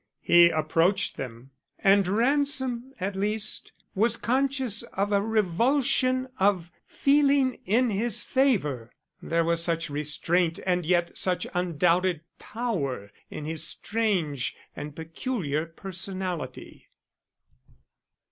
He approached them, and Ransom, at least, was conscious of a revulsion of feeling in his favor, there was such restraint and yet such undoubted power in his strange and peculiar personality.